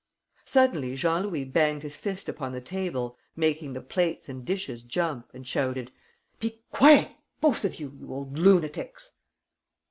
Suddenly Jean Louis banged his fist upon the table, making the plates and dishes jump, and shouted: "Be quiet, both of you, you old lunatics!"